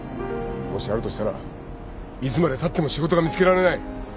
もしあるとしたらいつまでたっても仕事が見つけられない